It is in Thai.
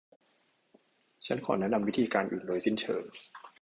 ฉันขอแนะนำวิธีการอื่นโดยสิ้นเชิง